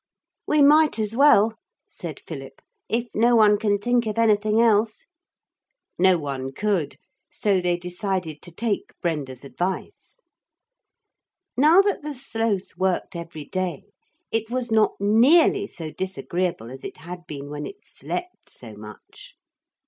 'We might as well,' said Philip, 'if no one can think of anything else.' No one could. So they decided to take Brenda's advice. Now that the Sloth worked every day it was not nearly so disagreeable as it had been when it slept so much.